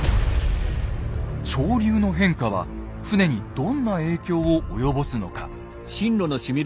潮流の変化は船にどんな影響を及ぼすのか。